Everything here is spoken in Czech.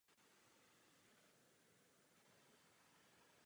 Rakouská část je mnohem větší.